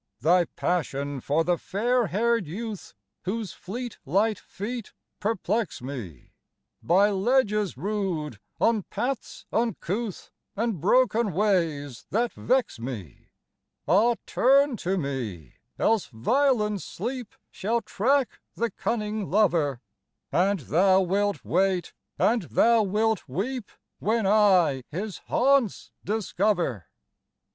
"Thy passion for the fair haired youth whose fleet, light feet perplex me By ledges rude, on paths uncouth, and broken ways that vex me? "Ah, turn to me! else violent sleep shall track the cunning lover; And thou wilt wait and thou wilt weep when I his haunts discover."